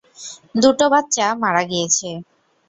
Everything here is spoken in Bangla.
দুটো বাচ্চা মারা গিয়েছে!